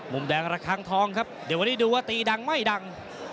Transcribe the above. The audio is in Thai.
มุมแดงระคังทองครับเดี๋ยววันนี้ดูว่าตีดังไม่ดัง